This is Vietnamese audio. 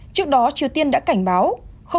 trước đó triều tiên đã cảnh báo